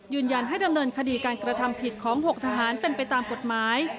ยืนยันให้ดำเนินคดีการกระทำผิดของ๖ทหารเป็นไปตามกฎหมาย